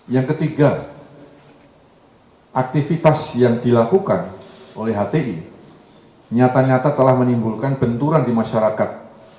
yang ketiga aktivitas yang dilakukan oleh hti nyata nyata telah menimbulkan benturan di masyarakat